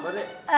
eh ga lewat